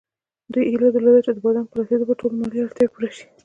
دوی هیله درلوده چې د بادامو په رسېدو به ټولې مالي اړتیاوې پوره شي.